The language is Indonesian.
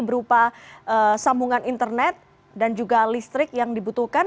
berupa sambungan internet dan juga listrik yang dibutuhkan